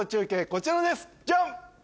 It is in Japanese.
こちらですジャン！